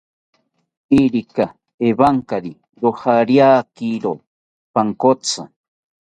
Irika ewankari rojoriakiro pankotsi